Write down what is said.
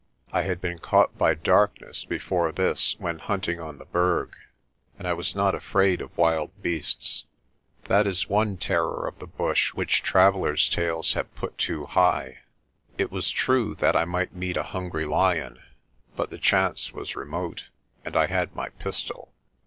I had been caught by darkness before this when hunting on the Berg, and I was not afraid of wild beasts. That is one terror of the bush which travellers 7 tales have put too high. It was true that I might meet a hungry lion but the chance was remote, and I had my pistol.